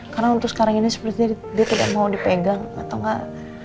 karena untuk sekarang ini sepertinya dia tidak mau dipegang atau enggak